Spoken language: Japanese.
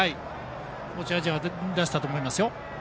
持ち味は出したと思いますよ。